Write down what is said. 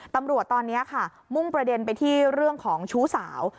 ตำรวจตอนนี้ค่ะมุ่งประเด็นไปที่เรื่องของชู้สาว